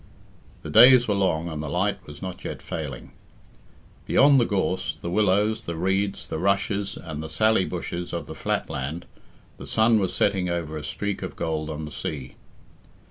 The days were long and the light was not yet failing. Beyond the gorse, the willows, the reeds, the rushes and the sally bushes of the flat land, the sun was setting over a streak of gold on the sea.